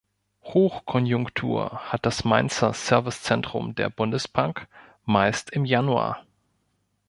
Hochkonjunktur hat das Mainzer Service-Zentrum der Bundesbank meist im Januar.